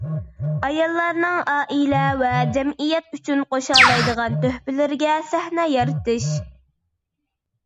ئاياللارنىڭ ئائىلە ۋە جەمئىيەت ئۈچۈن قوشالايدىغان تۆھپىلىرىگە سەھنە يارىتىش.